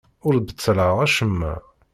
Ur beṭṭleɣ acemma.